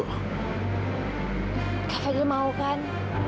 kak fadil mau kan